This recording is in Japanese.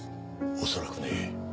恐らくねえ。